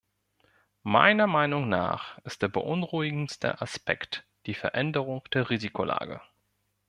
Meiner Meinung nach ist der beunruhigendste Aspekt die Veränderung der Risikolage.